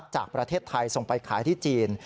จากประเทศไทยส่งไปขายที่จีน